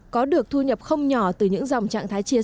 có được thu nhập không nhỏ từ những dòng trạng thái truyền